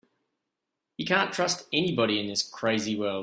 You can't trust anybody in this crazy world.